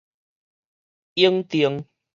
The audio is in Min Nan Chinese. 永定